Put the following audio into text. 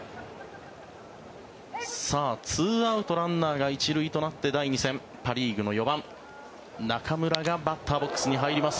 さあ、２アウトランナーが１塁となって第２戦、パ・リーグの４番中村がバッターボックスに入ります。